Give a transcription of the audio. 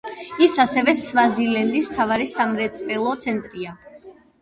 ის ასევე სვაზილენდის მთავარი სამრეწველო ცენტრია.